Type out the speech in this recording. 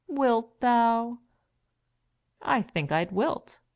Wilt thou?' I think I'd wilt.